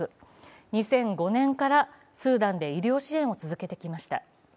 ２００５年からスーダンで医療支援を続けてきました。